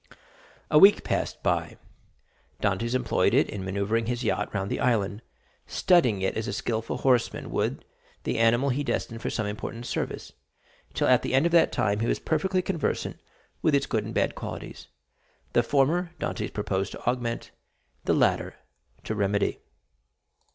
A week passed by. Dantès employed it in manœuvring his yacht round the island, studying it as a skilful horseman would the animal he destined for some important service, till at the end of that time he was perfectly conversant with its good and bad qualities. The former Dantès proposed to augment, the latter to remedy.